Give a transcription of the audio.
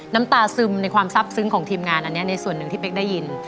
น้ำตาซึมในความซับซึ้งของทีมงานอันนี้ในส่วนหนึ่งที่เป๊กได้ยิน